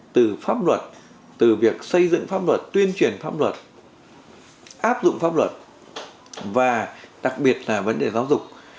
từ pháp luật từ việc xây dựng pháp luật tuyên truyền pháp luật áp dụng pháp luật và đặc biệt là vấn đề giáo dục